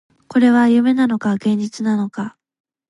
これは夢なのか、現実なのか